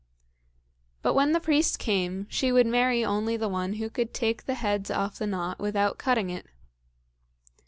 But when the priest came, she would marry only the one who could take the heads off the knot without cutting it.